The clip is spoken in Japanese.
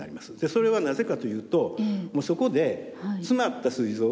それはなぜかというともうそこで詰まったすい臓がですね